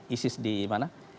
isis di mana